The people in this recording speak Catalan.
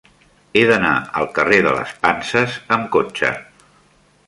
He d'anar al carrer de les Panses amb cotxe.